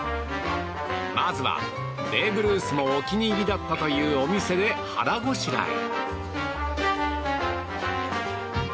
まずは、ベーブ・ルースもお気に入りだったというお店で腹ごしらえ。